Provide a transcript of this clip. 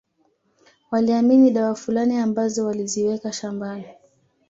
Waliamini dawa fulani ambazo waliziweka shambani